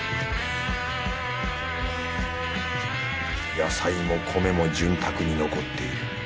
野菜も米も潤沢に残っている。